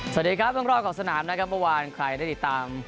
สวัสดีครับด้านรอบของสนามนะครับประวัติใครได้ติดตาม